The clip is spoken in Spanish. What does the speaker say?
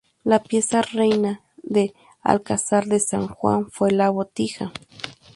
La pieza reina de Alcázar de San Juan fue la botija.